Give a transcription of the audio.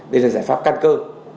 đây là giải pháp căn cơ